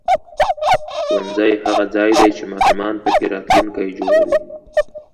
ښوونځی هغه ځای دی چې ماشومان پکې راتلونکی جوړوي